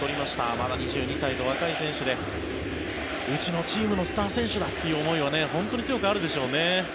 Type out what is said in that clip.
まだ２２歳と若い選手でうちのチームのスター選手だという思いも本当に強くあるでしょうね。